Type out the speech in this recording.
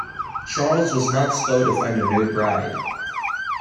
Charles was not slow to find a new bride.